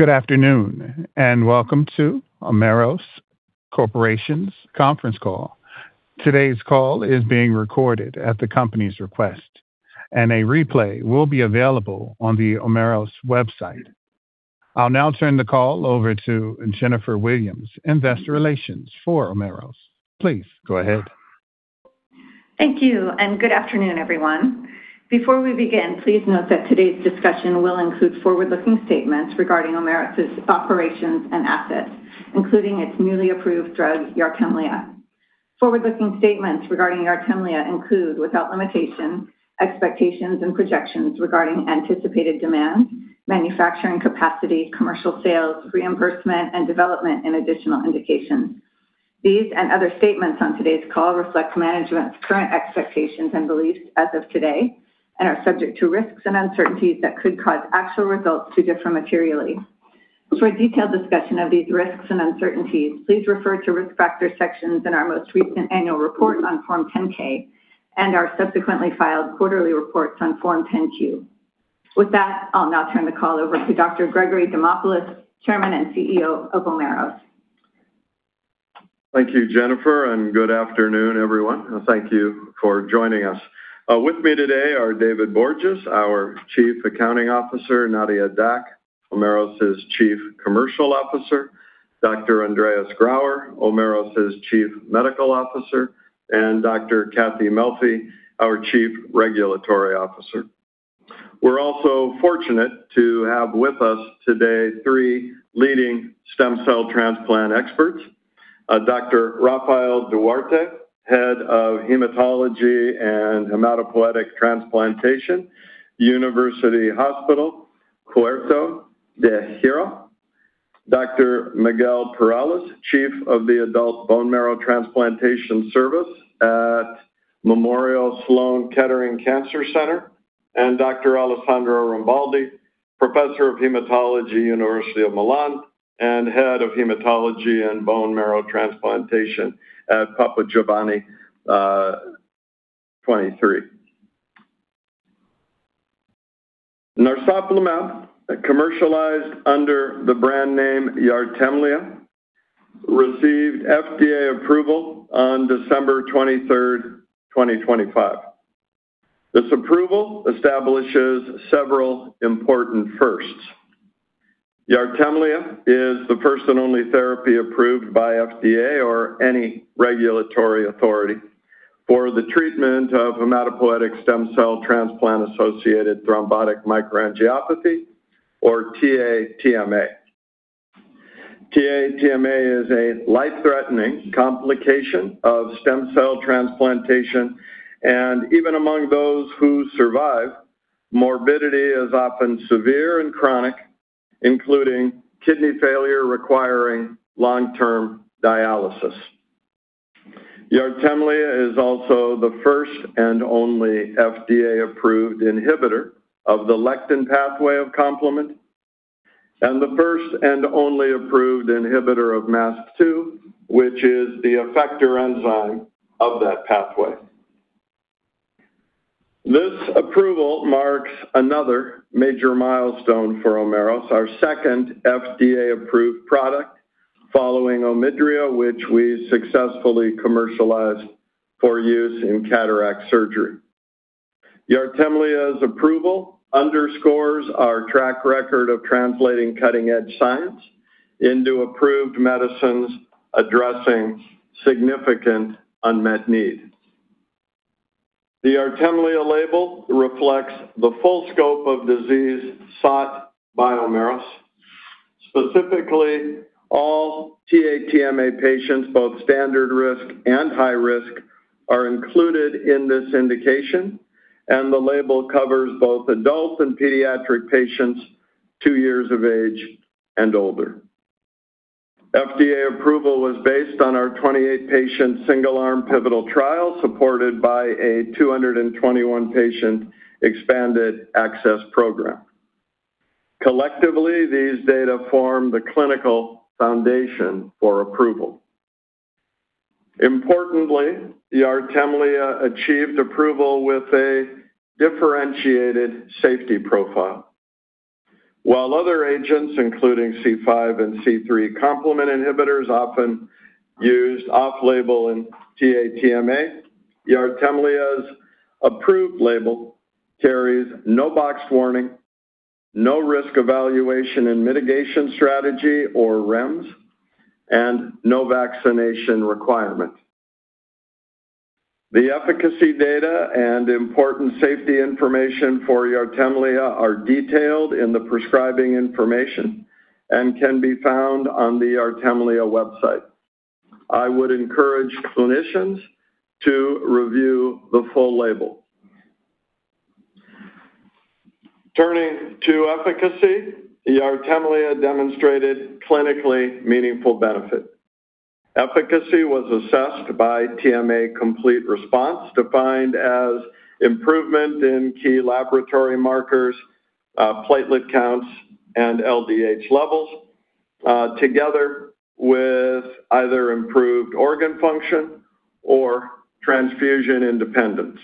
Good afternoon, and welcome to Omeros Corporation's conference call. Today's call is being recorded at the company's request, and a replay will be available on the Omeros website. I'll now turn the call over to Jennifer Williams, Investor Relations for Omeros. Please go ahead. Thank you, and good afternoon, everyone. Before we begin, please note that today's discussion will include forward-looking statements regarding Omeros' operations and assets, including its newly approved drug, YARTEMLEA. Forward-looking statements regarding YARTEMLEA include, without limitation, expectations and projections regarding anticipated demand, manufacturing capacity, commercial sales, reimbursement, and development, and additional indications. These and other statements on today's call reflect management's current expectations and beliefs as of today and are subject to risks and uncertainties that could cause actual results to differ materially. For a detailed discussion of these risks and uncertainties, please refer to risk factor sections in our most recent annual report on Form 10-K and our subsequently filed quarterly reports on Form 10-Q. With that, I'll now turn the call over to Dr. Gregory Demopulos, Chairman and CEO of Omeros. Thank you, Jennifer, and good afternoon, everyone. Thank you for joining us. With me today are David Borges, our Chief Accounting Officer, Nadia Dac, Omeros' Chief Commercial Officer, Dr. Andreas Grauer, Omeros' Chief Medical Officer, and Dr. Cathy Melfi, our Chief Regulatory Officer. We're also fortunate to have with us today three leading stem cell transplant experts: Dr. Rafael Duarte, Head of Hematology and Hematopoietic Transplantation, Hospital Universitario Puerta de Hierro Majadahonda, Dr. Miguel Perales, Chief of the Adult Bone Marrow Transplantation Service at Memorial Sloan Kettering Cancer Center, and Dr. Alessandro Rambaldi, Professor of Hematology, University of Milan, and Head of Hematology and Bone Marrow Transplantation at Papa Giovanni XXIII Hospital. Narsoplimab, commercialized under the brand name YARTEMLEA, received FDA approval on December 23, 2025. This approval establishes several important firsts. YARTEMLEA is the first and only therapy approved by FDA or any regulatory authority for the treatment of hematopoietic stem cell transplant-associated thrombotic microangiopathy, or TA-TMA. TA-TMA is a life-threatening complication of stem cell transplantation, and even among those who survive, morbidity is often severe and chronic, including kidney failure requiring long-term dialysis. YARTEMLEA is also the first and only FDA-approved inhibitor of the lectin pathway of complement and the first and only approved inhibitor of MASP-2, which is the effector enzyme of that pathway. This approval marks another major milestone for Omeros, our second FDA-approved product following OMIDRIA, which we successfully commercialized for use in cataract surgery. YARTEMLEA's approval underscores our track record of translating cutting-edge science into approved medicines addressing significant unmet needs. The YARTEMLEA label reflects the full scope of disease sought by Omeros. Specifically, all TA-TMA patients, both standard risk and high risk, are included in this indication, and the label covers both adult and pediatric patients two years of age and older. FDA approval was based on our 28-patient single-arm pivotal trial supported by a 221-patient expanded access program. Collectively, these data form the clinical foundation for approval. Importantly, YARTEMLEA achieved approval with a differentiated safety profile. While other agents, including C5 and C3 complement inhibitors, often used off-label in TA-TMA, YARTEMLEA's approved label carries no box warning, no risk evaluation and mitigation strategy, or REMS, and no vaccination requirement. The efficacy data and important safety information for YARTEMLEA are detailed in the prescribing information and can be found on the YARTEMLEA website. I would encourage clinicians to review the full label. Turning to efficacy, YARTEMLEA demonstrated clinically meaningful benefit. Efficacy was assessed by TMA Complete Response, defined as improvement in key laboratory markers, platelet counts, and LDH levels, together with either improved organ function or transfusion independence.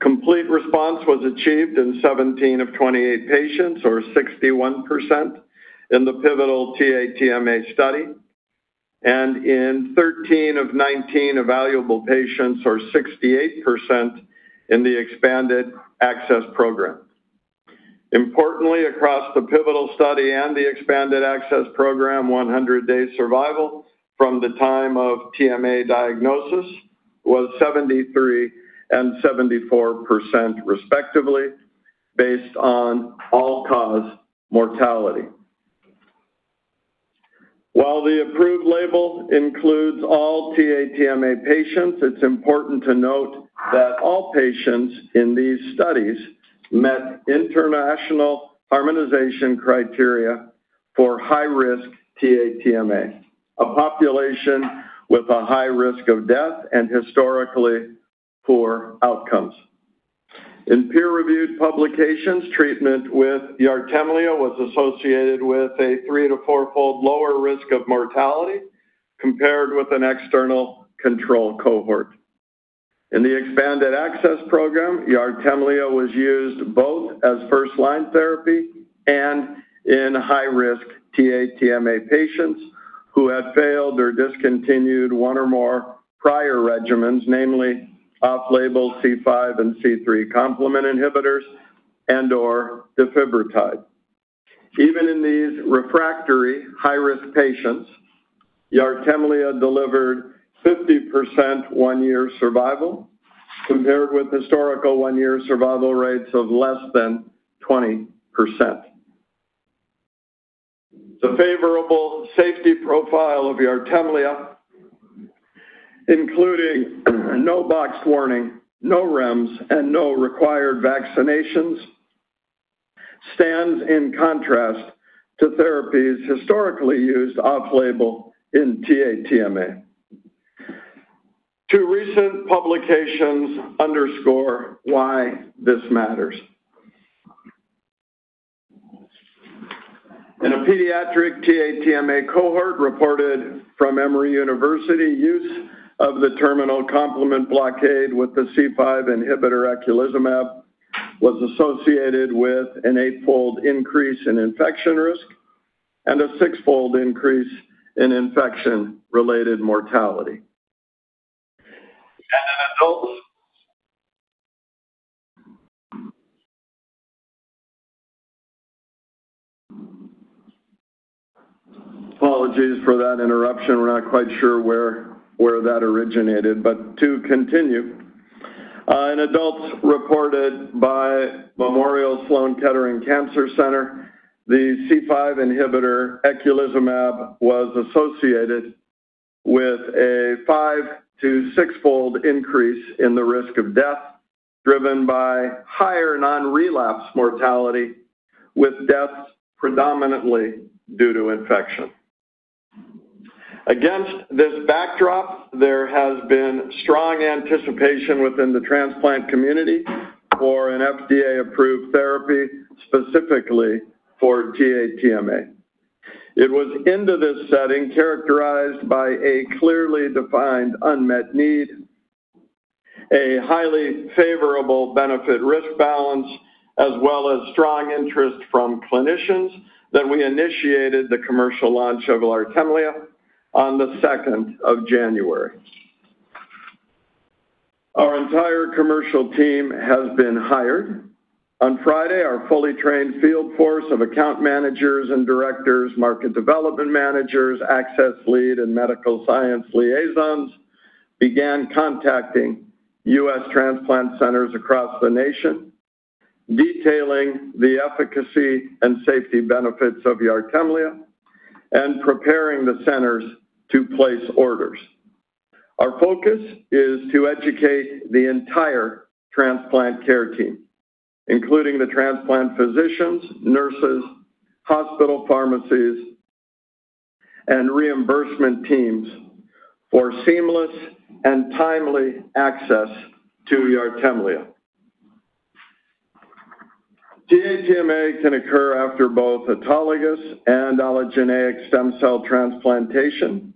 Complete response was achieved in 17 of 28 patients, or 61%, in the pivotal TA-TMA study, and in 13 of 19 evaluable patients, or 68%, in the expanded access program. Importantly, across the pivotal study and the expanded access program, 100-day survival from the time of TMA diagnosis was 73% and 74%, respectively, based on all-cause mortality. While the approved label includes all TA-TMA patients, it's important to note that all patients in these studies met international harmonization criteria for high-risk TA-TMA, a population with a high risk of death and historically poor outcomes. In peer-reviewed publications, treatment with YARTEMLEA was associated with a three to four-fold lower risk of mortality compared with an external control cohort. In the expanded access program, YARTEMLEA was used both as first-line therapy and in high-risk TA-TMA patients who had failed or discontinued one or more prior regimens, namely off-label C5 and C3 complement inhibitors and/or defibrotide. Even in these refractory high-risk patients, YARTEMLEA delivered 50% one-year survival compared with historical one-year survival rates of less than 20%. The favorable safety profile of YARTEMLEA, including no box warning, no REMS, and no required vaccinations, stands in contrast to therapies historically used off-label in TA-TMA. Two recent publications underscore why this matters. In a pediatric TA-TMA cohort reported from Emory University, use of the terminal complement blockade with the C5 inhibitor eculizumab was associated with an eight-fold increase in infection risk and a six-fold increase in infection-related mortality. And an adult, apologies for that interruption. We're not quite sure where that originated. But to continue, an adult reported by Memorial Sloan Kettering Cancer Center, the C5 inhibitor eculizumab was associated with a five- to six-fold increase in the risk of death driven by higher non-relapse mortality, with deaths predominantly due to infection. Against this backdrop, there has been strong anticipation within the transplant community for an FDA-approved therapy specifically for TA-TMA. It was in this setting characterized by a clearly defined unmet need, a highly favorable benefit-risk balance, as well as strong interest from clinicians that we initiated the commercial launch of YARTEMLEA on the 2nd of January. Our entire commercial team has been hired. On Friday, our fully trained field force of account managers and directors, market development managers, access lead, and medical science liaisons began contacting U.S. transplant centers across the nation, detailing the efficacy and safety benefits of YARTEMLEA and preparing the centers to place orders. Our focus is to educate the entire transplant care team, including the transplant physicians, nurses, hospital pharmacies, and reimbursement teams, for seamless and timely access to YARTEMLEA. TA-TMA can occur after both autologous and allogeneic stem cell transplantation,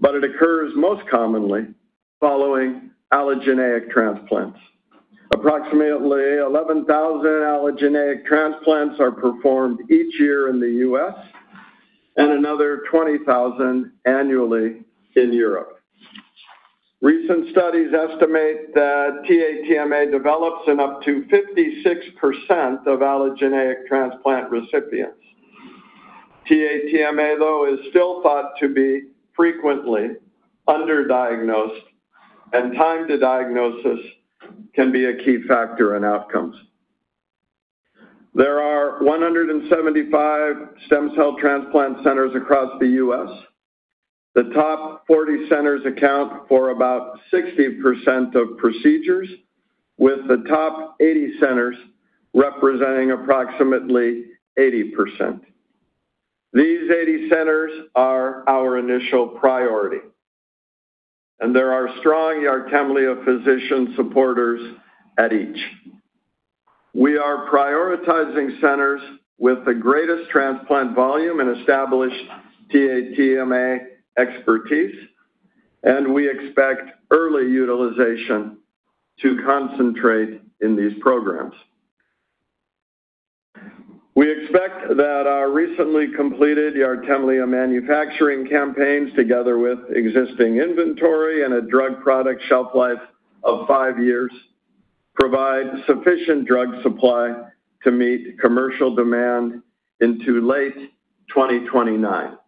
but it occurs most commonly following allogeneic transplants. Approximately 11,000 allogeneic transplants are performed each year in the U.S. and another 20,000 annually in Europe. Recent studies estimate that TA-TMA develops in up to 56% of allogeneic transplant recipients. TA-TMA, though, is still thought to be frequently underdiagnosed, and time to diagnosis can be a key factor in outcomes. There are 175 stem cell transplant centers across the U.S. The top 40 centers account for about 60% of procedures, with the top 80 centers representing approximately 80%. These 80 centers are our initial priority, and there are strong YARTEMLEA physician supporters at each. We are prioritizing centers with the greatest transplant volume and established TA-TMA expertise, and we expect early utilization to concentrate in these programs. We expect that our recently completed YARTEMLEA manufacturing campaigns, together with existing inventory and a drug product shelf life of five years, provide sufficient drug supply to meet commercial demand into late 2029.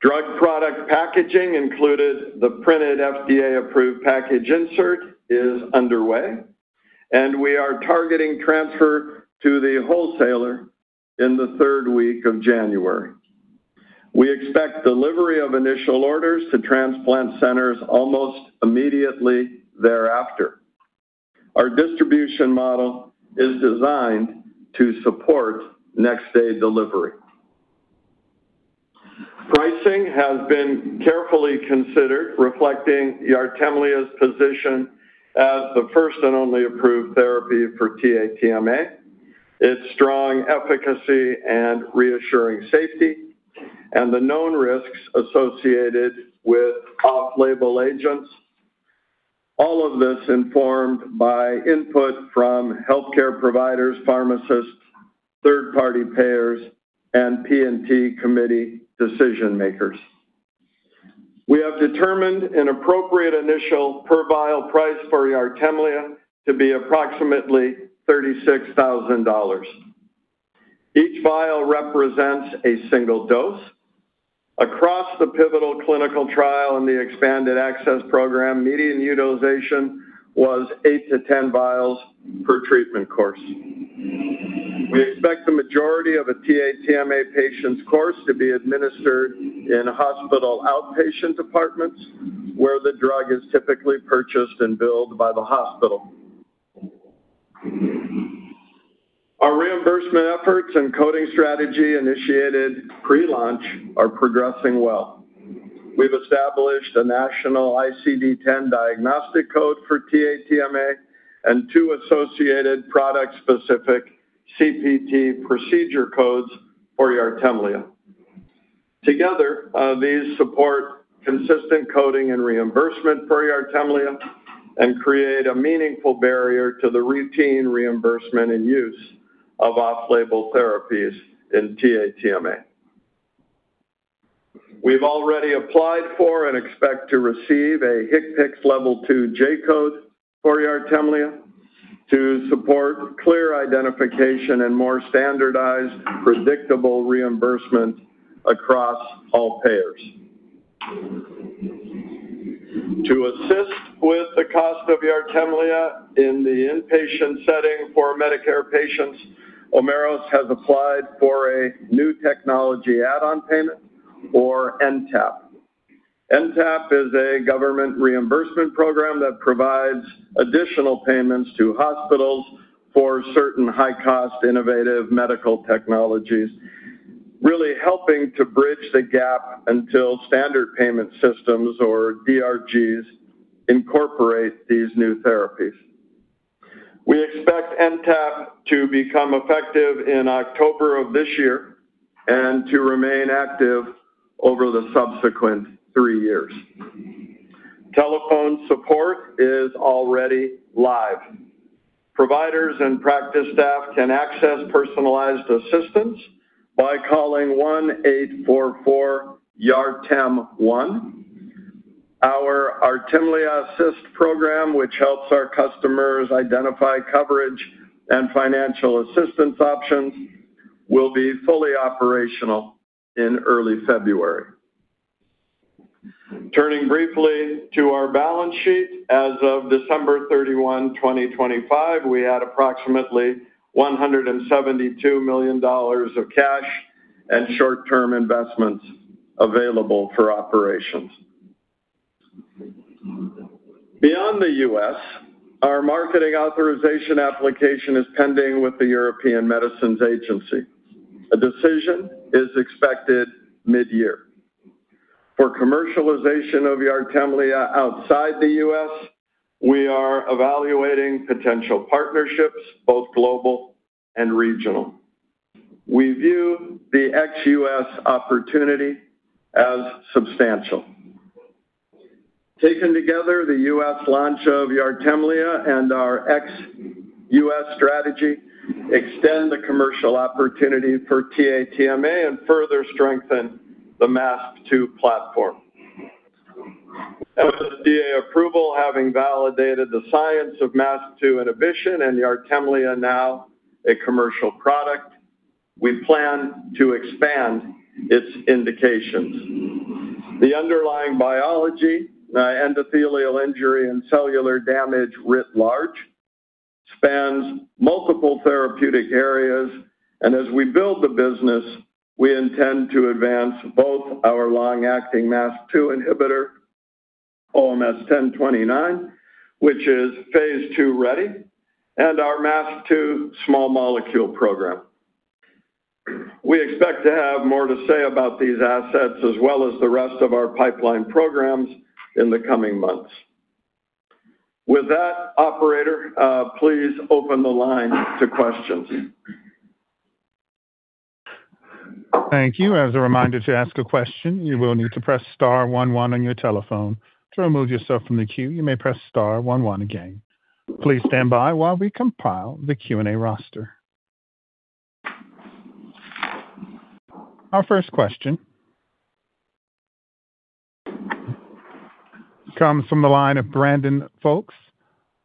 Drug product packaging, including the printed FDA-approved package insert, is underway, and we are targeting transfer to the wholesaler in the third week of January. We expect delivery of initial orders to transplant centers almost immediately thereafter. Our distribution model is designed to support next-day delivery. Pricing has been carefully considered, reflecting YARTEMLEA's position as the first and only approved therapy for TA-TMA, its strong efficacy and reassuring safety, and the known risks associated with off-label agents, all of this informed by input from healthcare providers, pharmacists, third-party payers, and P&T committee decision-makers. We have determined an appropriate initial per vial price for YARTEMLEA to be approximately $36,000. Each vial represents a single dose. Across the pivotal clinical trial and the expanded access program, median utilization was 8 to 10 vials per treatment course. We expect the majority of a TA-TMA patient's course to be administered in hospital outpatient departments where the drug is typically purchased and billed by the hospital. Our reimbursement efforts and coding strategy initiated pre-launch are progressing well. We've established a national ICD-10 diagnostic code for TA-TMA and two associated product-specific CPT procedure codes for YARTEMLEA. Together, these support consistent coding and reimbursement for YARTEMLEA and create a meaningful barrier to the routine reimbursement and use of off-label therapies in TA-TMA. We've already applied for and expect to receive a HCPCS Level II J code for YARTEMLEA to support clear identification and more standardized, predictable reimbursement across all payers. To assist with the cost of YARTEMLEA in the inpatient setting for Medicare patients, Omeros has applied for a new technology add-on payment, or NTAP. NTAP is a government reimbursement program that provides additional payments to hospitals for certain high-cost innovative medical technologies, really helping to bridge the gap until standard payment systems, or DRGs, incorporate these new therapies. We expect NTAP to become effective in October of this year and to remain active over the subsequent three years. Telephone support is already live. Providers and practice staff can access personalized assistance by calling 1-844-YARTEM1. Our YARTEMLEA Assist program, which helps our customers identify coverage and financial assistance options, will be fully operational in early February. Turning briefly to our balance sheet, as of December 31, 2025, we had approximately $172 million of cash and short-term investments available for operations. Beyond the U.S., our marketing authorization application is pending with the European Medicines Agency. A decision is expected mid-year. For commercialization of YARTEMLEA outside the U.S., we are evaluating potential partnerships, both global and regional. We view the ex-U.S. opportunity as substantial. Taken together, the U.S. launch of YARTEMLEA and our ex-U.S. strategy extend the commercial opportunity for TA-TMA and further strengthen the MASP-2 platform. With FDA approval having validated the science of MASP-2 inhibition and YARTEMLEA now a commercial product, we plan to expand its indications. The underlying biology, endothelial injury and cellular damage writ large, spans multiple therapeutic areas, and as we build the business, we intend to advance both our long-acting MASP-2 inhibitor, OMS1029, which is phase II ready, and our MASP-2 small molecule program. We expect to have more to say about these assets as well as the rest of our pipeline programs in the coming months. With that, Operator, please open the line to questions. Thank you. As a reminder to ask a question, you will need to press star 11 on your telephone. To remove yourself from the queue, you may press star 11 again. Please stand by while we compile the Q&A roster. Our first question comes from the line of Brandon Folkes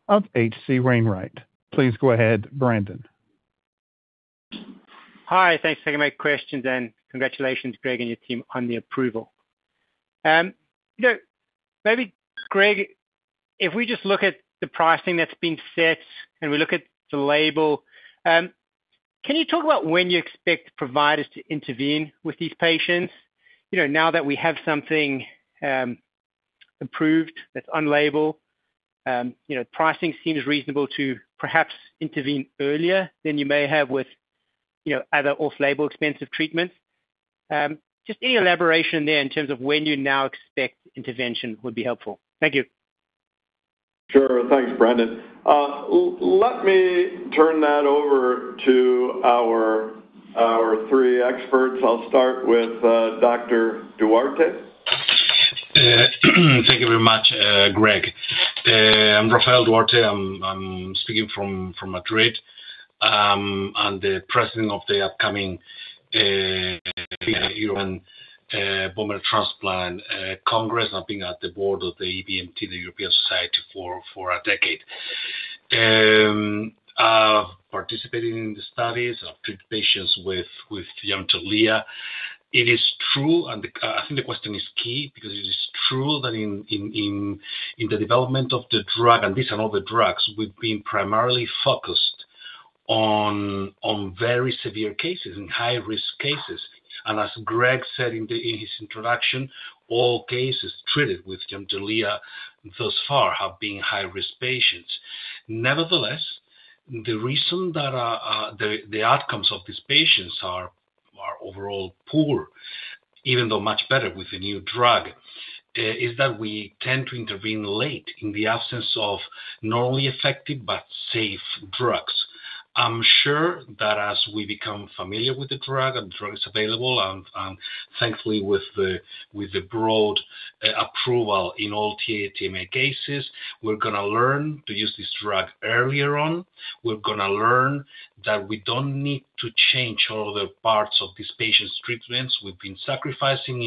of H.C. Wainwright. Please go ahead, Brandon. Hi. Thanks for taking my questions, and congratulations, Greg, and your team on the approval. Maybe, Greg, if we just look at the pricing that's been set and we look at the label, can you talk about when you expect providers to intervene with these patients? Now that we have something approved that's on label, pricing seems reasonable to perhaps intervene earlier than you may have with other off-label expensive treatments. Just any elaboration there in terms of when you now expect intervention would be helpful. Thank you. Sure. Thanks, Brandon. Let me turn that over to our three experts. I'll start with Dr. Duarte. Thank you very much, Greg. I'm Rafael Duarte. I'm speaking from Madrid. I'm the president of the upcoming European Bone Marrow Transplant Congress. I've been at the board of the EBMT, the European Society, for a decade. I've participated in the studies. I've treated patients with YARTEMLEA. It is true, and I think the question is key because it is true that in the development of the drug, and these are all the drugs, we've been primarily focused on very severe cases and high-risk cases. As Greg said in his introduction, all cases treated with YARTEMLEA thus far have been high-risk patients. Nevertheless, the reason that the outcomes of these patients are overall poor, even though much better with the new drug, is that we tend to intervene late in the absence of normally effective but safe drugs. I'm sure that as we become familiar with the drug and the drug is available, and thankfully with the broad approval in all TA-TMA cases, we're going to learn to use this drug earlier on. We're going to learn that we don't need to change all the parts of these patients' treatments. We've been sacrificing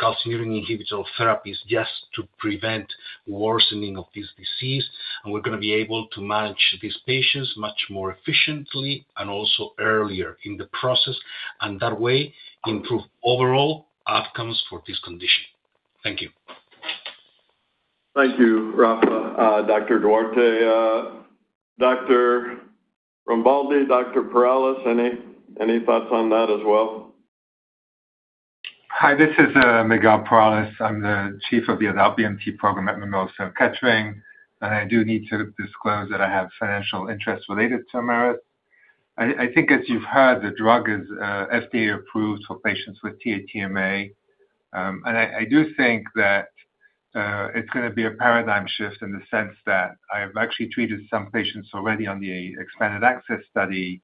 calcineurin inhibitor therapies just to prevent worsening of this disease, and we're going to be able to manage these patients much more efficiently and also earlier in the process, and that way improve overall outcomes for this condition. Thank you. Thank you, Rafa, Dr. Duarte. Dr. Rambaldi, Dr. Perales, any thoughts on that as well? Hi. This is Miguel Perales. I'm the chief of the Adult BMT program at Memorial Sloan Kettering Cancer Center, and I do need to disclose that I have financial interests related to Omeros. I think, as you've heard, the drug is FDA-approved for patients with TA-TMA, and I do think that it's going to be a paradigm shift in the sense that I've actually treated some patients already on the expanded access study,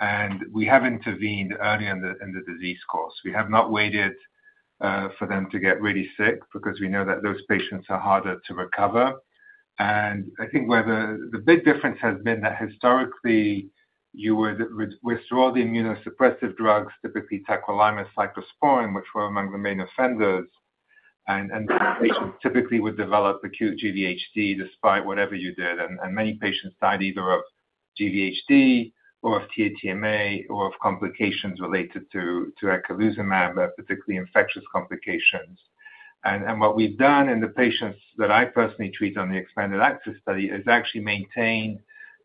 and we have intervened early in the disease course. We have not waited for them to get really sick because we know that those patients are harder to recover. I think where the big difference has been that historically you would withdraw the immunosuppressive drugs, typically tacrolimus cyclosporine, which were among the main offenders, and patients typically would develop acute GVHD despite whatever you did. Many patients died either of GVHD or of TA-TMA or of complications related to eculizumab, particularly infectious complications. What we've done in the patients that I personally treat on the expanded access study is actually maintain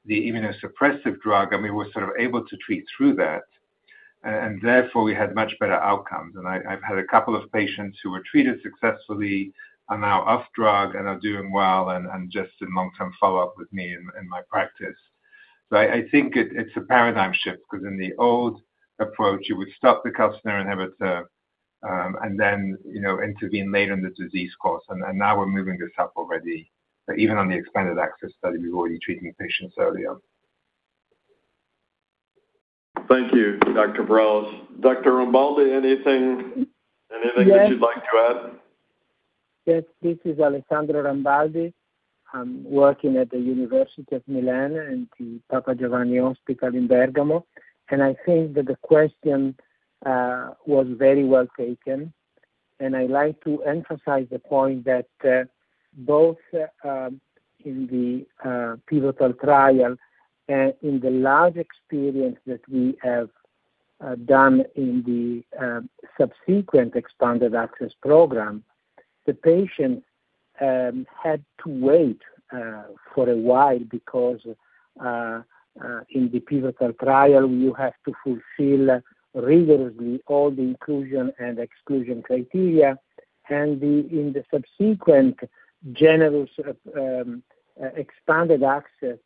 the immunosuppressive drug, and we were sort of able to treat through that, and therefore we had much better outcomes. I've had a couple of patients who were treated successfully and now off drug and are doing well and just in long-term follow-up with me in my practice. So I think it's a paradigm shift because in the old approach, you would stop the calcineurin inhibitor and then intervene later in the disease course, and now we're moving this up already. But even on the expanded access study, we've already treated patients earlier. Thank you, Dr. Perales. Dr. Rambaldi, anything that you'd like to add? Yes. This is Alessandro Rambaldi. I'm working at the University of Milan and the Papa Giovanni XXIII Hospital in Bergamo, and I think that the question was very well taken. And I'd like to emphasize the point that both in the pivotal trial and in the large experience that we have done in the subsequent expanded access program, the patients had to wait for a while because in the pivotal trial, you have to fulfill rigorously all the inclusion and exclusion criteria. And in the subsequent generous expanded access,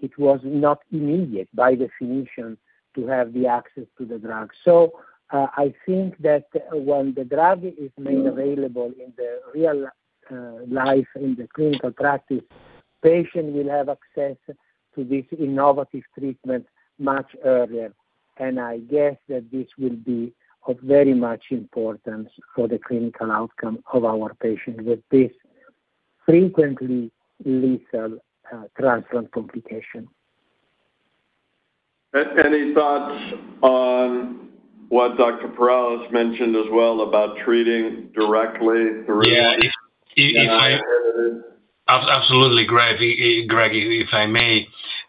it was not immediate by definition to have the access to the drug. So I think that when the drug is made available in the real life in the clinical practice, patients will have access to this innovative treatment much earlier. And I guess that this will be of very much importance for the clinical outcome of our patients with this frequently lethal transplant complication. Any thoughts on what Dr. Perales mentioned as well about treating directly through? Yeah. Absolutely, Greg, if I may.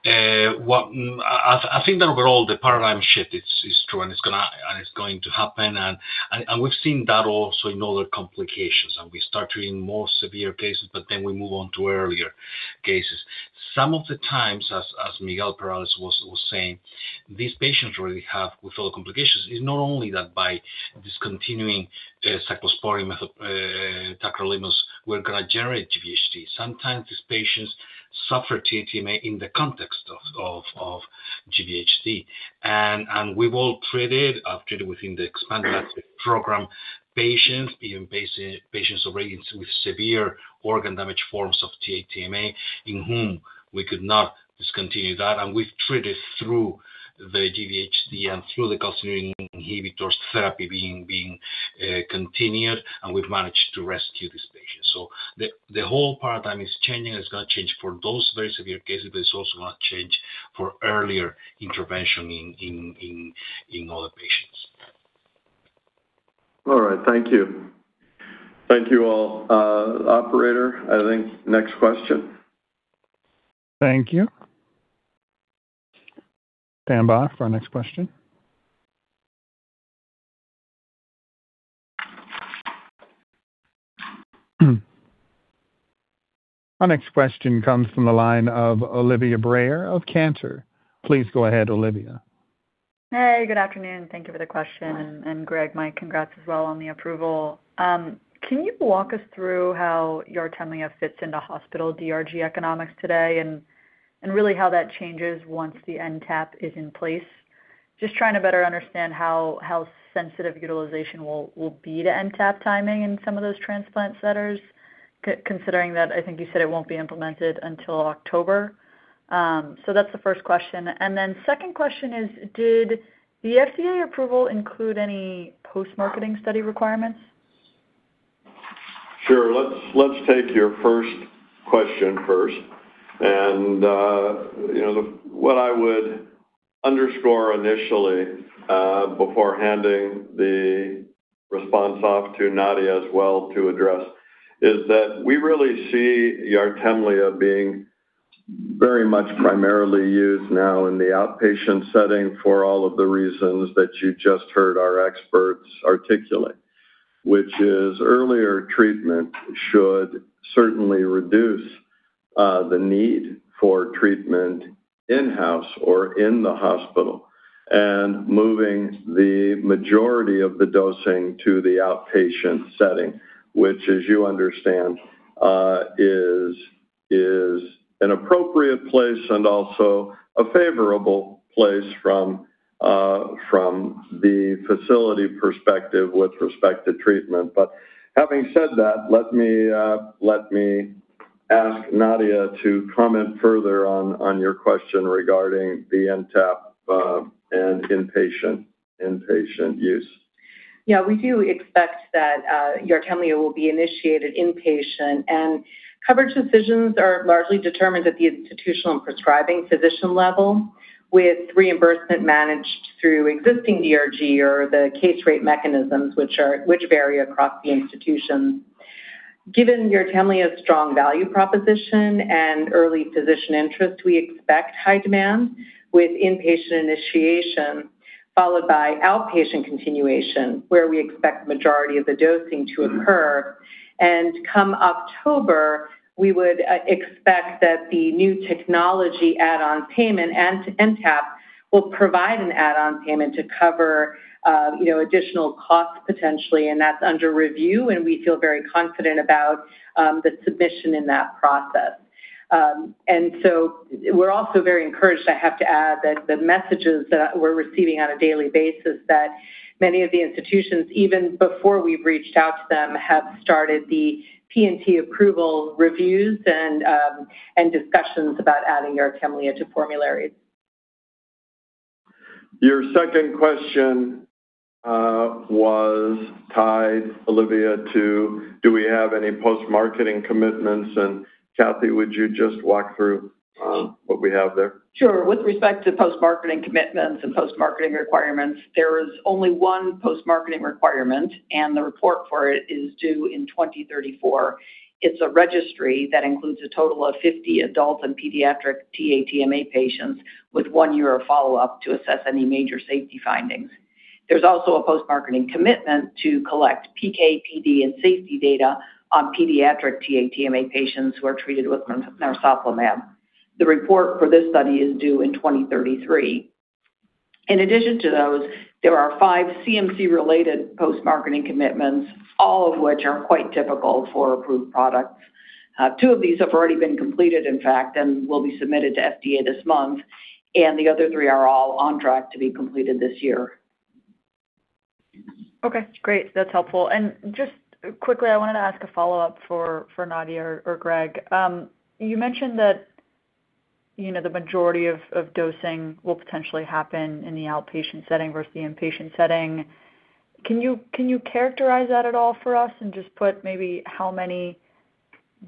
I think that overall the paradigm shift is true and it's going to happen, and we've seen that also in other complications. And we start treating more severe cases, but then we move on to earlier cases. Some of the times, as Miguel Perales was saying, these patients already have with all the complications. It's not only that by discontinuing cyclosporine, tacrolimus, we're going to generate GVHD. Sometimes these patients suffer TA-TMA in the context of GVHD. And we've all treated, I've treated within the expanded access program patients, even patients already with severe organ damage forms of TA-TMA in whom we could not discontinue that. And we've treated through the GVHD and through the calcineurin inhibitors therapy being continued, and we've managed to rescue these patients. So the whole paradigm is changing, and it's going to change for those very severe cases, but it's also going to change for earlier intervention in other patients. All right. Thank you. Thank you all. Operator, I think next question. Thank you. Stand by for our next question. Our next question comes from the line of Olivia Brayer of Cantor. Please go ahead, Olivia. Hey, good afternoon. Thank you for the question. Greg, my congrats as well on the approval. Can you walk us through how YARTEMLEA fits into hospital DRG economics today and really how that changes once the NTAP is in place? Just trying to better understand how sensitive utilization will be to NTAP timing in some of those transplant centers, considering that I think you said it won't be implemented until October. That's the first question. Second question is, did the FDA approval include any post-marketing study requirements? Sure. Let's take your first question first. And what I would underscore initially before handing the response off to Nadia as well to address is that we really see YARTEMLEA being very much primarily used now in the outpatient setting for all of the reasons that you just heard our experts articulate, which is earlier treatment should certainly reduce the need for treatment in-house or in the hospital and moving the majority of the dosing to the outpatient setting, which, as you understand, is an appropriate place and also a favorable place from the facility perspective with respect to treatment. But having said that, let me ask Nadia to comment further on your question regarding the NTAP and inpatient use. Yeah. We do expect that YARTEMLEA will be initiated inpatient, and coverage decisions are largely determined at the institutional and prescribing physician level with reimbursement managed through existing DRG or the case rate mechanisms, which vary across the institutions. Given YARTEMLEA's strong value proposition and early physician interest, we expect high demand with inpatient initiation followed by outpatient continuation, where we expect the majority of the dosing to occur, and come October, we would expect that the new technology add-on payment and NTAP will provide an add-on payment to cover additional costs potentially, and that's under review, and we feel very confident about the submission in that process. So we're also very encouraged, I have to add, that the messages that we're receiving on a daily basis, that many of the institutions, even before we've reached out to them, have started the P&T approval reviews and discussions about adding YARTEMLEA to formularies. Your second question was tied, Olivia, to do we have any post-marketing commitments? Cathy, would you just walk through what we have there? Sure. With respect to post-marketing commitments and post-marketing requirements, there is only one post-marketing requirement, and the report for it is due in 2034. It's a registry that includes a total of 50 adult and pediatric TA-TMA patients with one year of follow-up to assess any major safety findings. There's also a post-marketing commitment to collect PK, PD, and safety data on pediatric TA-TMA patients who are treated with narsoplimab. The report for this study is due in 2033. In addition to those, there are five CMC-related post-marketing commitments, all of which are quite typical for approved products. Two of these have already been completed, in fact, and will be submitted to FDA this month, and the other three are all on track to be completed this year. Okay. Great. That's helpful. And just quickly, I wanted to ask a follow-up for Nadia or Greg. You mentioned that the majority of dosing will potentially happen in the outpatient setting versus the inpatient setting. Can you characterize that at all for us and just put maybe how many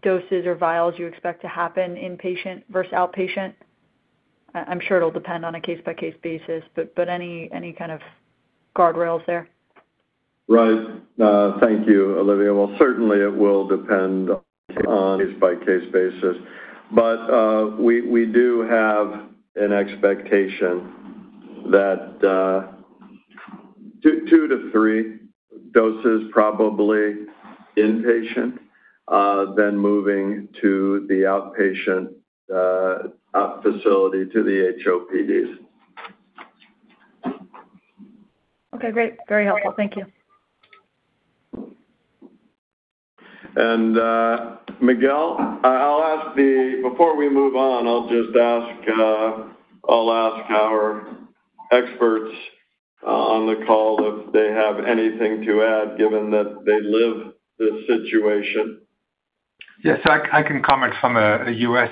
doses or vials you expect to happen inpatient versus outpatient? I'm sure it'll depend on a case-by-case basis, but any kind of guardrails there? Right. Thank you, Olivia. Well, certainly it will depend on a case-by-case basis. But we do have an expectation that two to three doses probably inpatient, then moving to the outpatient facility to the HOPDs. Okay. Great. Very helpful. Thank you. And Miguel, I'll ask this before we move on. I'll just ask our experts on the call if they have anything to add given that they live this situation. Yes. I can comment from a U.S.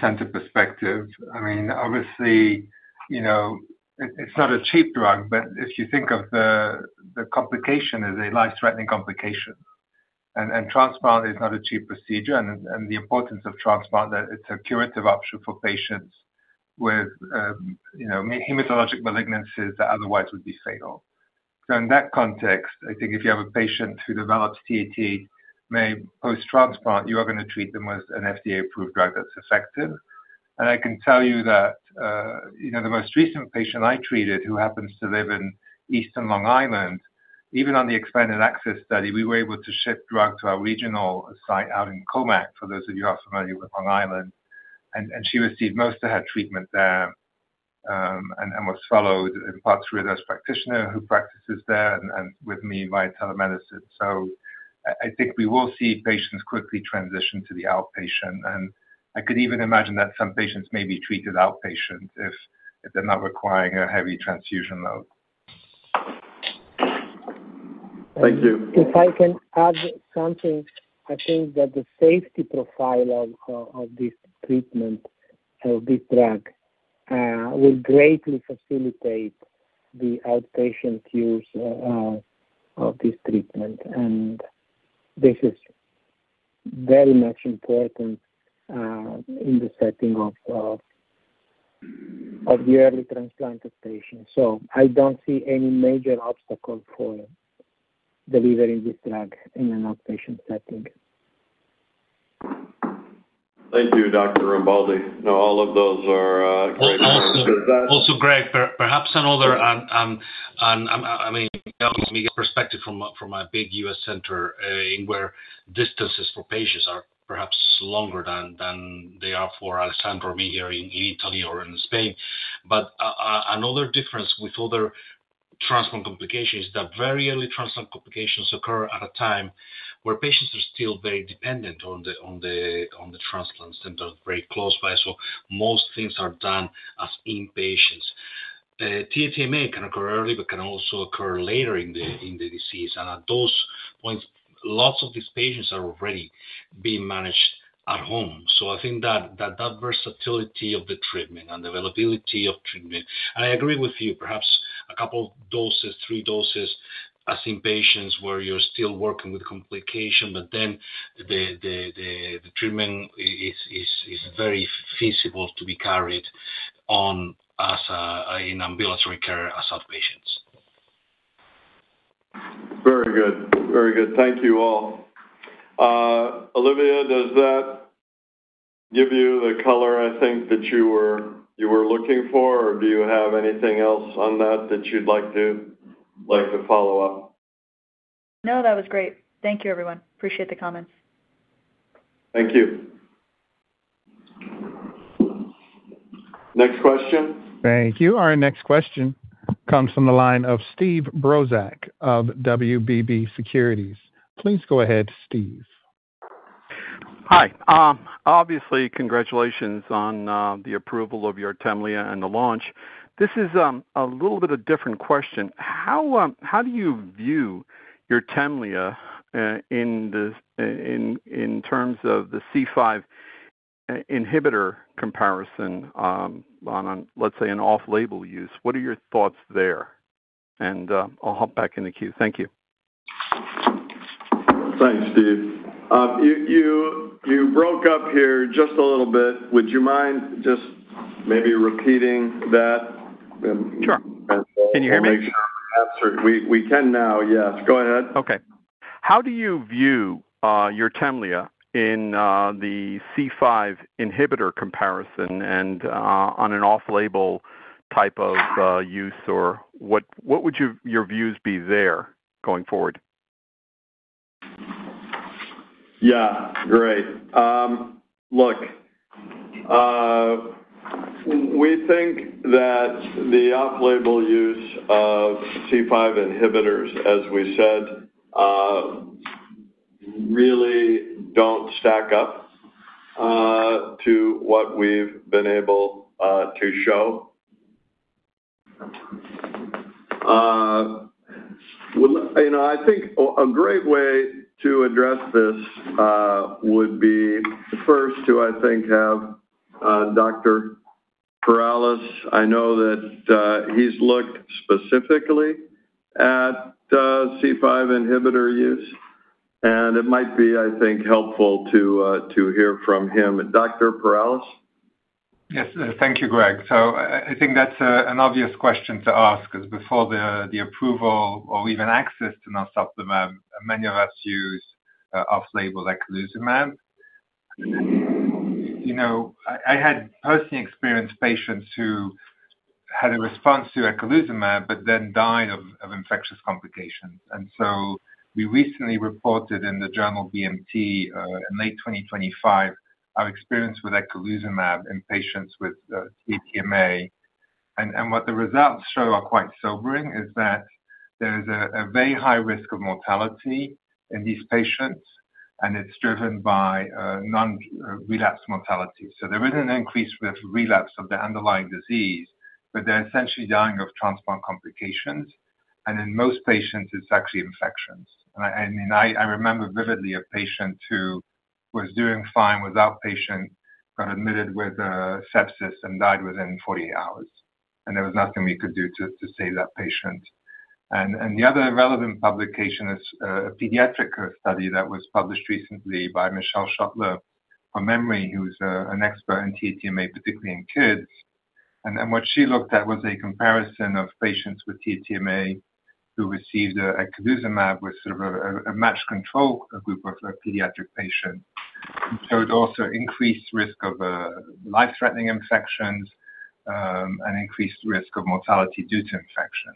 center perspective. I mean, obviously, it's not a cheap drug, but if you think of the complication as a life-threatening complication, and transplant is not a cheap procedure, and the importance of transplant, that it's a curative option for patients with hematologic malignancies that otherwise would be fatal. So in that context, I think if you have a patient who develops TA-TMA post-transplant, you are going to treat them with an FDA-approved drug that's effective. I can tell you that the most recent patient I treated who happens to live in Eastern Long Island, even on the expanded access study, we were able to ship drug to our regional site out in Commack, for those of you who are familiar with Long Island. And she received most of her treatment there and was followed in part through a nurse practitioner who practices there and with me via telemedicine. So I think we will see patients quickly transition to the outpatient. And I could even imagine that some patients may be treated outpatient if they're not requiring a heavy transfusion load. Thank you. If I can add something, I think that the safety profile of this treatment, of this drug, will greatly facilitate the outpatient use of this treatment. And this is very much important in the setting of the early transplanted patients. So I don't see any major obstacle for delivering this drug in an outpatient setting. Thank you, Dr. Rambaldi. No, all of those are great answers. Also, Greg, perhaps another I mean, Miguel's perspective from a big U.S. center where distances for patients are perhaps longer than they are for Alessandro or me here in Italy or in Spain. But another difference with other transplant complications is that very early transplant complications occur at a time where patients are still very dependent on the transplant center, very close by. So most things are done as inpatients. TA-TMA can occur early, but can also occur later in the disease. And at those points, lots of these patients are already being managed at home. So I think that that versatility of the treatment and availability of treatment, and I agree with you, perhaps a couple of doses, three doses as inpatients where you're still working with complication, but then the treatment is very feasible to be carried on in ambulatory care as outpatients. Very good. Very good. Thank you all. Olivia, does that give you the color, I think, that you were looking for, or do you have anything else on that that you'd like to follow up? No, that was great. Thank you, everyone. Appreciate the comments. Thank you. Next question. Thank you. Our next question comes from the line of Steve Brozak of WBB Securities. Please go ahead, Steve. Hi. Obviously, congratulations on the approval of YARTEMLEA and the launch. This is a little bit of a different question. How do you view YARTEMLEA in terms of the C5 inhibitor comparison on, let's say, an off-label use? What are your thoughts there? And I'll hop back in the queue. Thank you. Thanks, Steve. You broke up here just a little bit. Would you mind just maybe repeating that? Sure. Can you hear me? We can now. Yes. Go ahead. Okay. How do you view YARTEMLEA in the C5 inhibitor comparison and on an off-label type of use, or what would your views be there going forward? Yeah. Great. Look, we think that the off-label use of C5 inhibitors, as we said, really don't stack up to what we've been able to show. I think a great way to address this would be first to, I think, have Dr. Perales. I know that he's looked specifically at C5 inhibitor use, and it might be, I think, helpful to hear from him. Dr. Perales? Yes. Thank you, Greg. So I think that's an obvious question to ask because before the approval or even access to narsoplimab, many of us use off-label eculizumab. I had personally experienced patients who had a response to eculizumab but then died of infectious complications. And so we recently reported in the journal BMT in late 2025 our experience with eculizumab in patients with TA-TMA. And what the results show are quite sobering is that there is a very high risk of mortality in these patients, and it's driven by non-relapse mortality. So there is an increase with relapse of the underlying disease, but they're essentially dying of transplant complications. And in most patients, it's actually infections. I mean, I remember vividly a patient who was doing fine with outpatient, got admitted with sepsis, and died within 48 hours. There was nothing we could do to save that patient. The other relevant publication is a pediatric study that was published recently by Michelle Schoettler, from memory, who's an expert in TA-TMA, particularly in kids. What she looked at was a comparison of patients with TA-TMA who received eculizumab with sort of a matched control group of pediatric patients. It showed also increased risk of life-threatening infections and increased risk of mortality due to infection.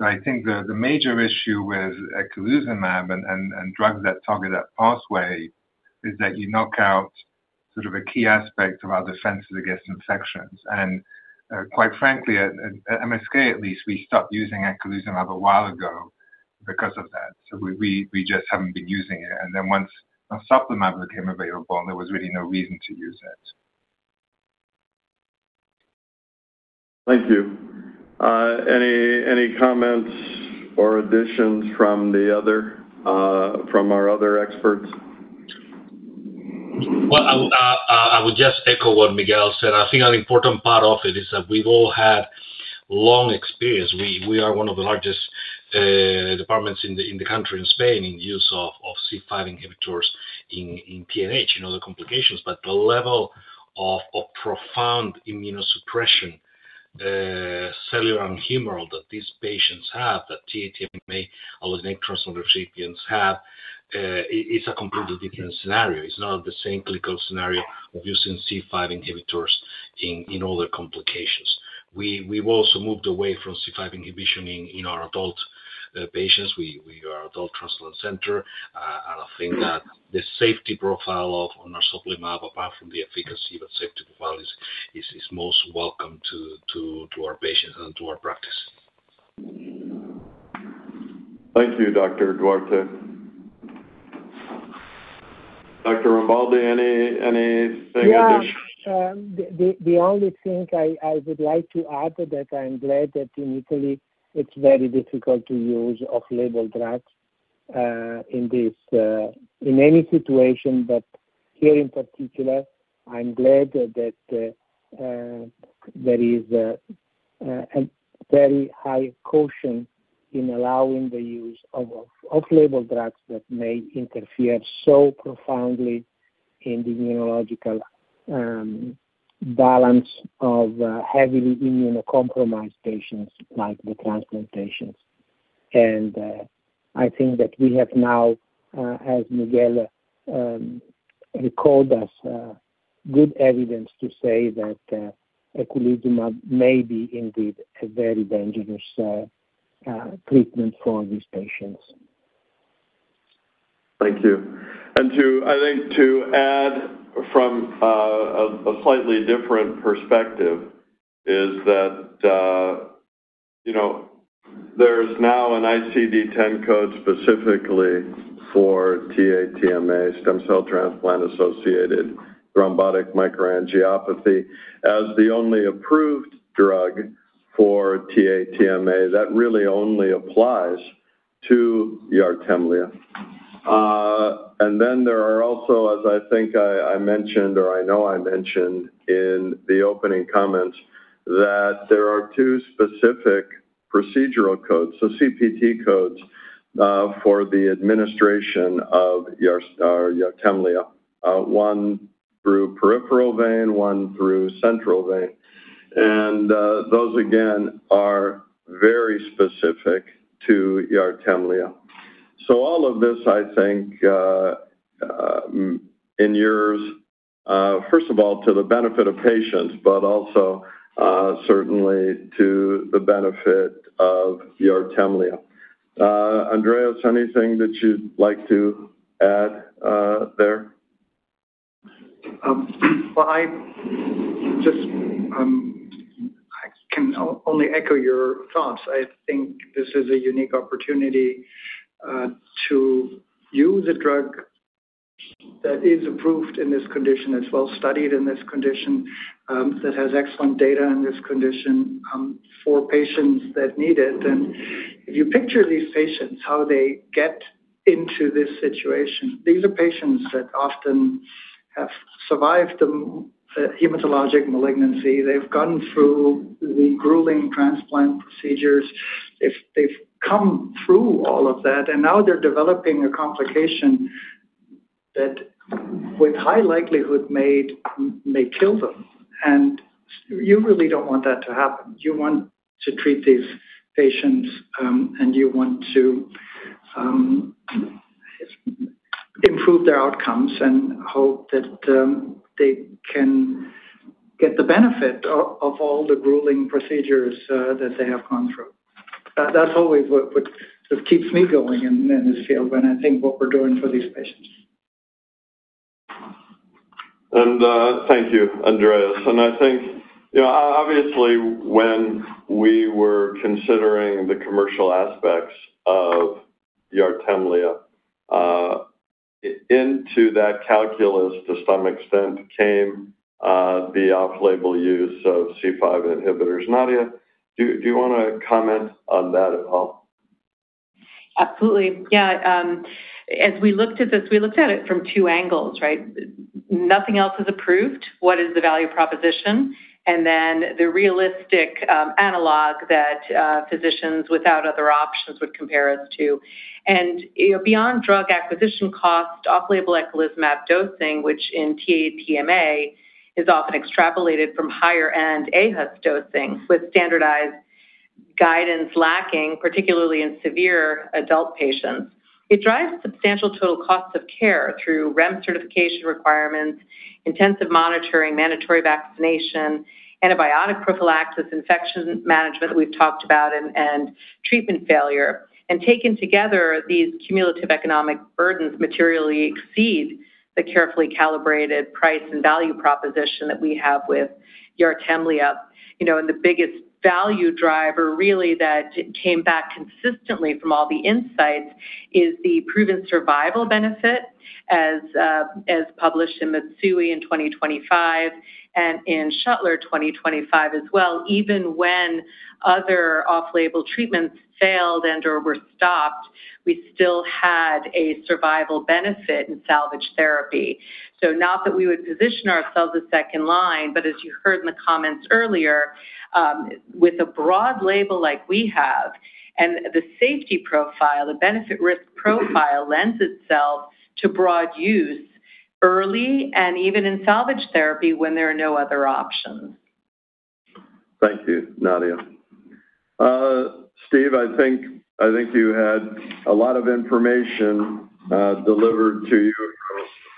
I think the major issue with eculizumab and drugs that target that pathway is that you knock out sort of a key aspect of our defenses against infections. Quite frankly, at MSK, at least, we stopped using eculizumab a while ago because of that. So we just haven't been using it. And then once narsoplimab became available, there was really no reason to use it. Thank you. Any comments or additions from our other experts? Well, I would just echo what Miguel said. I think an important part of it is that we've all had long experience. We are one of the largest departments in the country in Spain in use of C5 inhibitors in PNH, in other complications. But the level of profound immunosuppression, cellular and humoral, that these patients have, that TA-TMA allogeneic stem cell transplant recipients have, it's a completely different scenario. It's not the same clinical scenario of using C5 inhibitors in other complications. We've also moved away from C5 inhibition in our adult patients. We are an adult transplant center, and I think that the safety profile of narsoplimab, apart from the efficacy, but safety profile is most welcome to our patients and to our practice. Thank you, Dr. Duarte. Dr. Rambaldi, anything additional? The only thing I would like to add that I'm glad that in Italy, it's very difficult to use off-label drugs in any situation. But here in particular, I'm glad that there is a very high caution in allowing the use of off-label drugs that may interfere so profoundly in the immunological balance of heavily immunocompromised patients like the transplant patients. And I think that we have now, as Miguel recalled us, good evidence to say that eculizumab may be indeed a very dangerous treatment for these patients. Thank you. And I think to add from a slightly different perspective is that there's now an ICD-10 code specifically for TA-TMA, stem cell transplant-associated thrombotic microangiopathy, as the only approved drug for TA-TMA. That really only applies to YARTEMLEA. And then there are also, as I think I mentioned or I know I mentioned in the opening comments, that there are two specific procedural codes, so CPT codes, for the administration of YARTEMLEA, one through peripheral vein, one through central vein. And those, again, are very specific to YARTEMLEA. So all of this, I think, in yours, first of all, to the benefit of patients, but also certainly to the benefit of YARTEMLEA. Andreas, anything that you'd like to add there? Well, I can only echo your thoughts. I think this is a unique opportunity to use a drug that is approved in this condition, that's well studied in this condition, that has excellent data in this condition for patients that need it. And if you picture these patients, how they get into this situation, these are patients that often have survived the hematologic malignancy. They've gone through the grueling transplant procedures. They've come through all of that, and now they're developing a complication that, with high likelihood, may kill them. And you really don't want that to happen. You want to treat these patients, and you want to improve their outcomes and hope that they can get the benefit of all the grueling procedures that they have gone through. That's always what keeps me going in this field when I think what we're doing for these patients. And thank you, Andreas. I think, obviously, when we were considering the commercial aspects of YARTEMLEA, into that calculus, to some extent, came the off-label use of C5 inhibitors. Nadia, do you want to comment on that at all? Absolutely. Yeah. As we looked at this, we looked at it from two angles, right? Nothing else is approved. What is the value proposition? Then the realistic analog that physicians without other options would compare us to. Beyond drug acquisition cost, off-label eculizumab dosing, which in TA-TMA is often extrapolated from higher-end aHUS dosing, with standardized guidance lacking, particularly in severe adult patients, it drives substantial total costs of care through REMS certification requirements, intensive monitoring, mandatory vaccination, antibiotic prophylaxis, infection management that we've talked about, and treatment failure. Taken together, these cumulative economic burdens materially exceed the carefully calibrated price and value proposition that we have with YARTEMLEA. The biggest value driver, really, that came back consistently from all the insights is the proven survival benefit, as published in Matsui in 2025 and in Schoettler 2025 as well. Even when other off-label treatments failed and/or were stopped, we still had a survival benefit in salvage therapy. So not that we would position ourselves as second line, but as you heard in the comments earlier, with a broad label like we have, and the safety profile, the benefit-risk profile lends itself to broad use early and even in salvage therapy when there are no other options. Thank you, Nadia. Steve, I think you had a lot of information delivered to you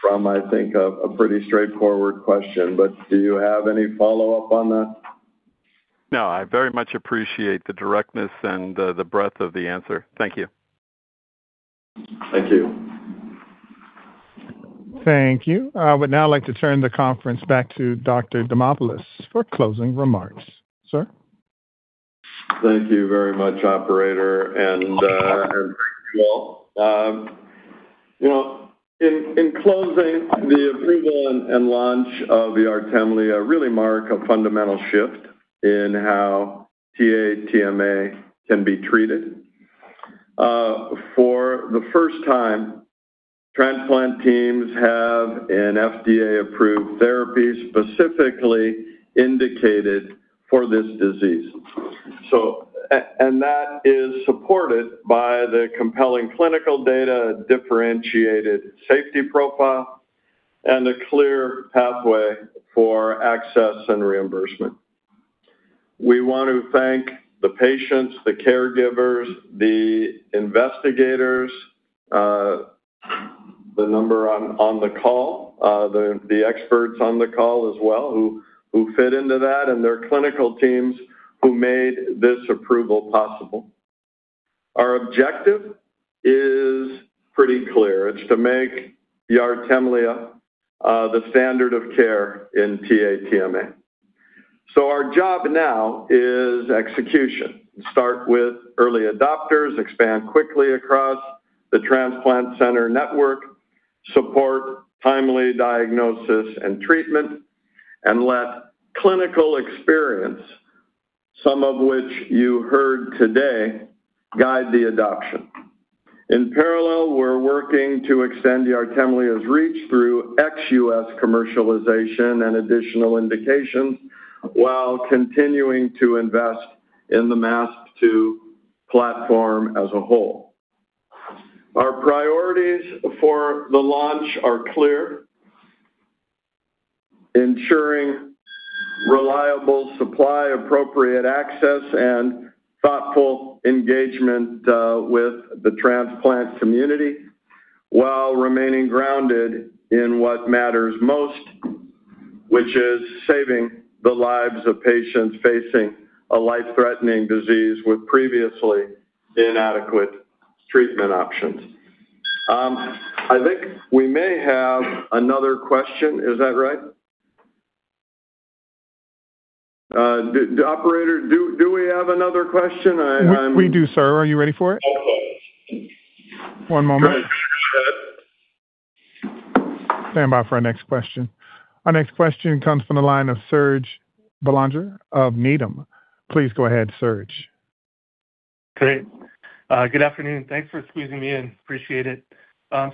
from, I think, a pretty straightforward question. But do you have any follow-up on that? No. I very much appreciate the directness and the breadth of the answer. Thank you. Thank you. I would now like to turn the conference back to Dr. Demopulos for closing remarks. Sir? Thank you very much, Operator, and thank you all. In closing, the approval and launch of YARTEMLEA really mark a fundamental shift in how TA-TMA can be treated. For the first time, transplant teams have an FDA-approved therapy specifically indicated for this disease, and that is supported by the compelling clinical data, differentiated safety profile, and a clear pathway for access and reimbursement. We want to thank the patients, the caregivers, the investigators, the number on the call, the experts on the call as well who fit into that, and their clinical teams who made this approval possible. Our objective is pretty clear. It's to make YARTEMLEA the standard of care in TA-TMA, so our job now is execution. Start with early adopters, expand quickly across the transplant center network, support timely diagnosis and treatment, and let clinical experience, some of which you heard today, guide the adoption. In parallel, we're working to extend YARTEMLEA's reach through ex-US commercialization and additional indications while continuing to invest in the MASP-2 platform as a whole. Our priorities for the launch are clear: ensuring reliable supply, appropriate access and thoughtful engagement with the transplant community while remaining grounded in what matters most, which is saving the lives of patients facing a life-threatening disease with previously inadequate treatment options. I think we may have another question. Is that right? Operator, do we have another question? We do, sir. Are you ready for it? One moment. Stand by for our next question. Our next question comes from the line of Serge Belanger of Needham. Please go ahead, Serge. Great. Good afternoon. Thanks for squeezing me in. Appreciate it.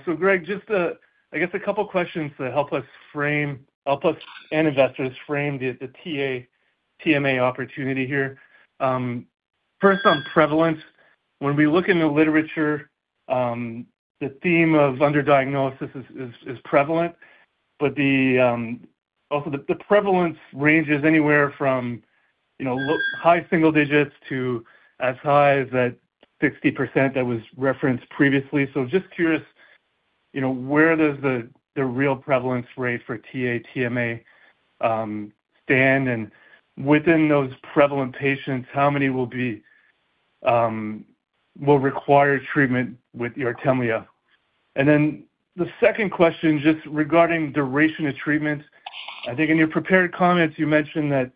So, Greg, just, I guess, a couple of questions to help us frame and investors frame the TA-TMA opportunity here. First, on prevalence. When we look in the literature, the theme of underdiagnosis is prevalent. But also, the prevalence ranges anywhere from high single digits to as high as that 60% that was referenced previously. So just curious, where does the real prevalence rate for TA-TMA stand? And within those prevalent patients, how many will require treatment with YARTEMLEA? And then the second question, just regarding duration of treatment. I think in your prepared comments, you mentioned that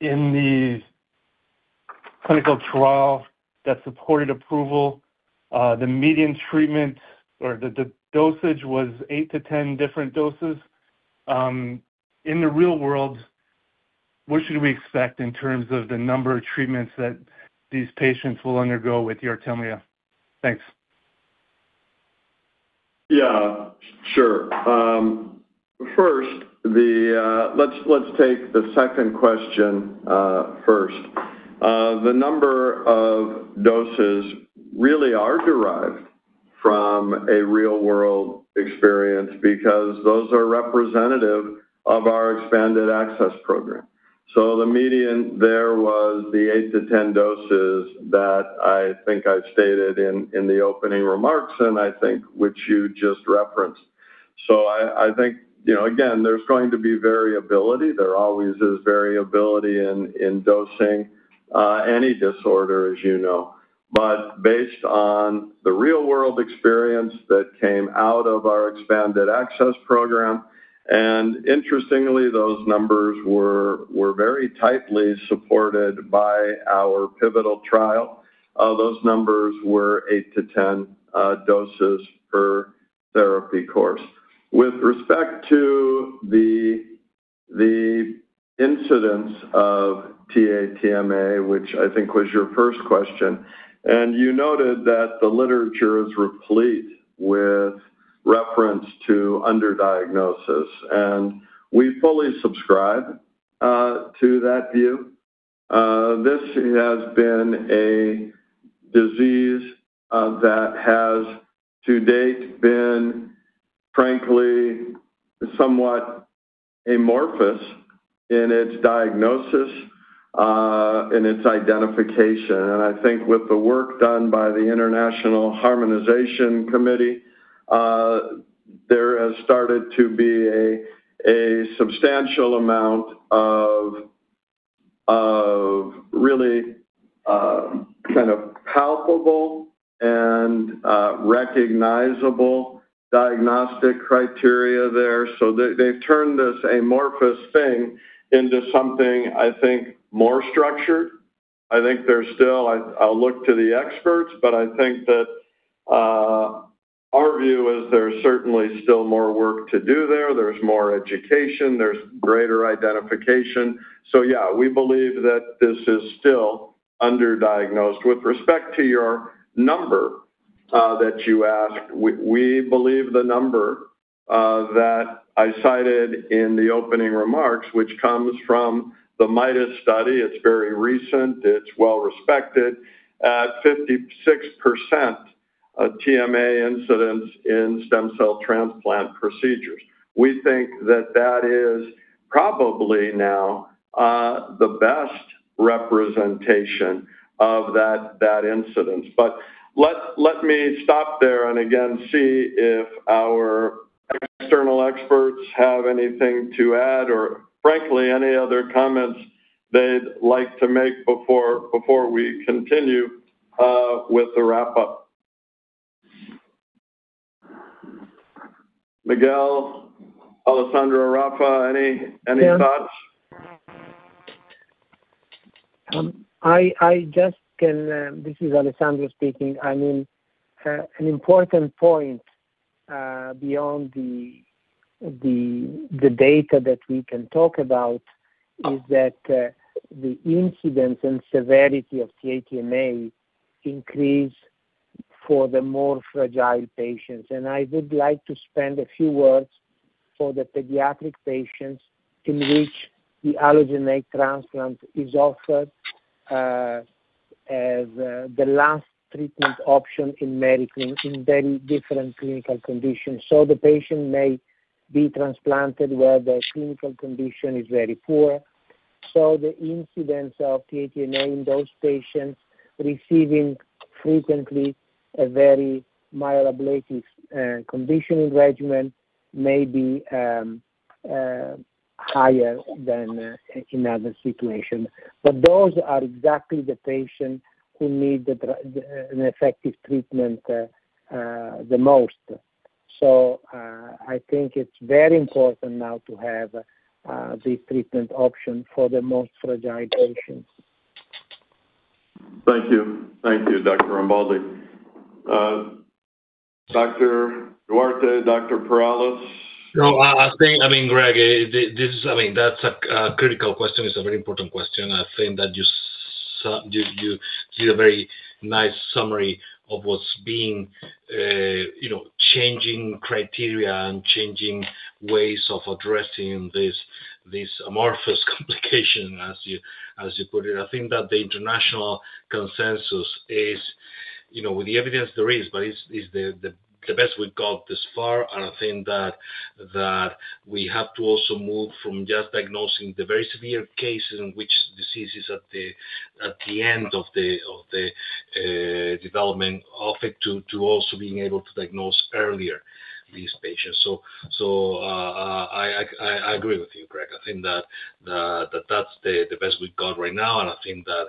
in the clinical trial that supported approval, the median treatment or the dosage was eight to 10 different doses. In the real world, what should we expect in terms of the number of treatments that these patients will undergo with YARTEMLEA? Thanks. Yeah. Sure. First, let's take the second question first. The number of doses really are derived from a real-world experience because those are representative of our expanded access program. So the median there was the eight to 10 doses that I think I stated in the opening remarks, and I think which you just referenced. So I think, again, there's going to be variability. There always is variability in dosing, any disorder, as you know. But based on the real-world experience that came out of our expanded access program, and interestingly, those numbers were very tightly supported by our pivotal trial, those numbers were eight to 10 doses per therapy course. With respect to the incidence of TA-TMA, which I think was your first question, and you noted that the literature is replete with reference to underdiagnosis, and we fully subscribe to that view. This has been a disease that has, to date, been, frankly, somewhat amorphous in its diagnosis and its identification, and I think with the work done by the International Harmonization Committee, there has started to be a substantial amount of really kind of palpable and recognizable diagnostic criteria there, so they've turned this amorphous thing into something, I think, more structured. I think there's still. I'll look to the experts, but I think that our view is there's certainly still more work to do there. There's more education. There's greater identification. So yeah, we believe that this is still underdiagnosed. With respect to your number that you asked, we believe the number that I cited in the opening remarks, which comes from the MIDAS study. It's very recent, it's well-respected, at 56% of TMA incidence in stem cell transplant procedures. We think that that is probably now the best representation of that incidence. But let me stop there and, again, see if our external experts have anything to add or, frankly, any other comments they'd like to make before we continue with the wrap-up. Miguel, Alessandro, Rafa, any thoughts? I just can. This is Alessandro speaking. I mean, an important point beyond the data that we can talk about is that the incidence and severity of TA-TMA increase for the more fragile patients. And I would like to spend a few words for the pediatric patients in which the allogeneic transplant is offered as the last treatment option in very different clinical conditions. So the patient may be transplanted where the clinical condition is very poor. So the incidence of TA-TMA in those patients receiving frequently a very mild ablative conditioning regimen may be higher than in other situations. But those are exactly the patients who need an effective treatment the most. So I think it's very important now to have this treatment option for the most fragile patients. Thank you. Thank you, Dr. Rambaldi. Dr. Duarte, Dr. Perales? I mean, Greg, I mean, that's a critical question. It's a very important question. I think that you did a very nice summary of what's being changing criteria and changing ways of addressing this amorphous complication, as you put it. I think that the international consensus is, with the evidence there is, but it's the best we've got thus far. And I think that we have to also move from just diagnosing the very severe cases in which disease is at the end of the development of it to also being able to diagnose earlier these patients. So I agree with you, Greg. I think that that's the best we've got right now, and I think that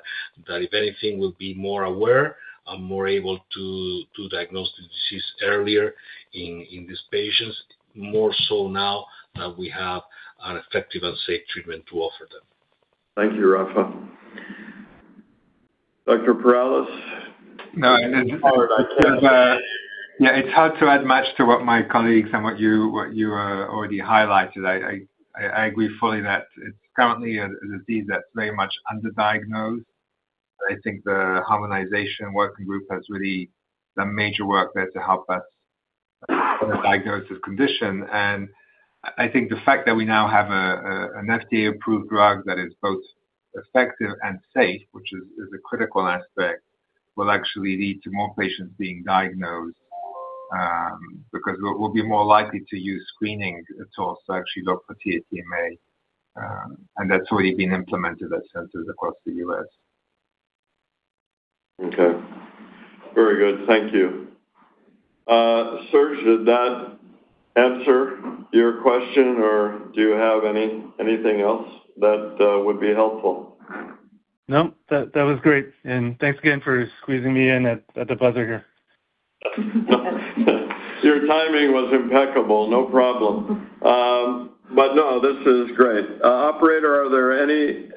if anything, we'll be more aware and more able to diagnose the disease earlier in these patients, more so now that we have an effective and safe treatment to offer them. Thank you, Rafa. Dr. Perales? No, I just wanted to, yeah, it's hard to add much to what my colleagues and what you already highlighted. I agree fully that it's currently a disease that's very much underdiagnosed. I think the Harmonization Working Group has really done major work there to help us diagnose this condition, and I think the fact that we now have an FDA-approved drug that is both effective and safe, which is a critical aspect, will actually lead to more patients being diagnosed because we'll be more likely to use screening tools to actually look for TA-TMA. And that's already been implemented at centers across the U.S. Okay. Very good. Thank you. Serge, did that answer your question, or do you have anything else that would be helpful? No, that was great. And thanks again for squeezing me in at the buzzer here. Your timing was impeccable. No problem. But no, this is great. Operator, are there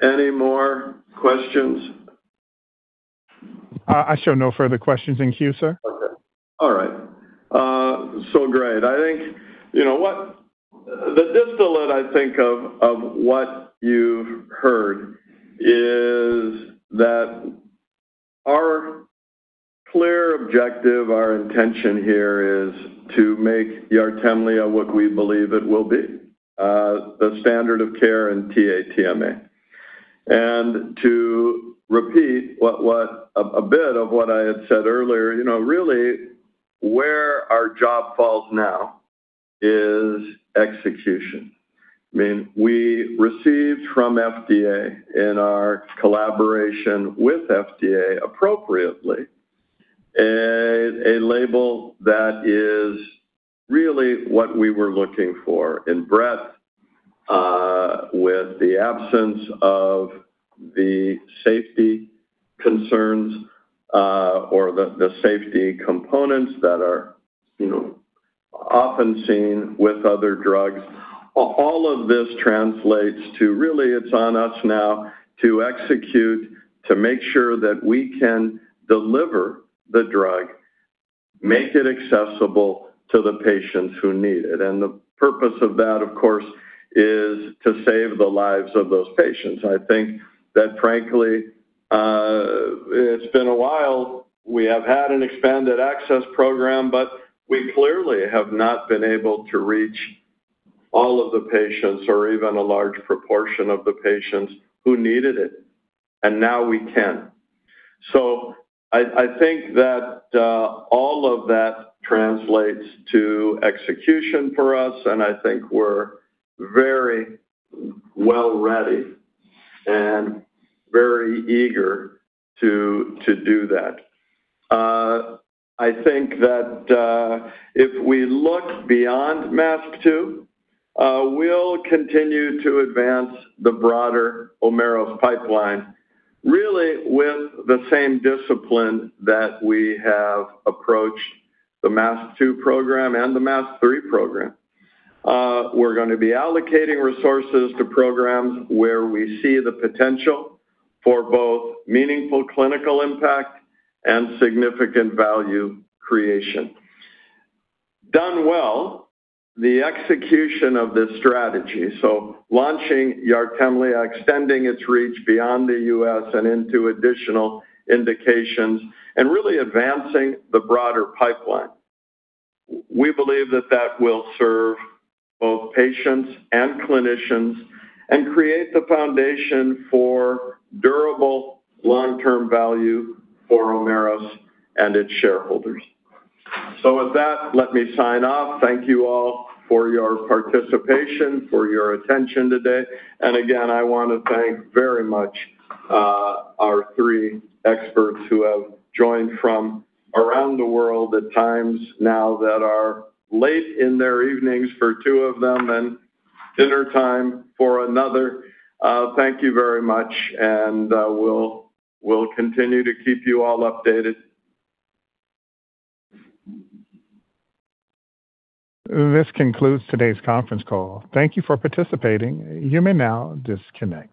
any more questions? I show no further questions in queue, sir. Okay. All right. So great. I think the distillate, I think, of what you've heard is that our clear objective, our intention here is to make YARTEMLEA what we believe it will be, the standard of care in TA-TMA. And to repeat a bit of what I had said earlier, really where our job falls now is execution. I mean, we received from FDA in our collaboration with FDA appropriately a label that is really what we were looking for in breadth with the absence of the safety concerns or the safety components that are often seen with other drugs. All of this translates to really it's on us now to execute, to make sure that we can deliver the drug, make it accessible to the patients who need it. And the purpose of that, of course, is to save the lives of those patients. I think that, frankly, it's been a while we have had an expanded access program, but we clearly have not been able to reach all of the patients or even a large proportion of the patients who needed it. And now we can. So I think that all of that translates to execution for us. I think we're very well-ready and very eager to do that. I think that if we look beyond MASP-2, we'll continue to advance the broader Omeros pipeline, really with the same discipline that we have approached the MASP-2 program and the MASP-3 program. We're going to be allocating resources to programs where we see the potential for both meaningful clinical impact and significant value creation. Done well, the execution of this strategy, so launching YARTEMLEA, extending its reach beyond the U.S. and into additional indications, and really advancing the broader pipeline. We believe that that will serve both patients and clinicians and create the foundation for durable long-term value for Omeros and its shareholders. With that, let me sign off. Thank you all for your participation, for your attention today. Again, I want to thank very much our three experts who have joined from around the world at times now that are late in their evenings for two of them and dinner time for another. Thank you very much. We'll continue to keep you all updated. This concludes today's conference call. Thank you for participating. You may now disconnect.